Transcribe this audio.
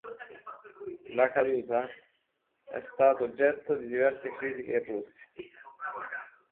La caduta" è stato oggetto di diverse critiche in Russia.